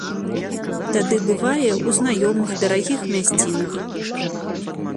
Тады бывае ў знаёмых дарагіх мясцінах.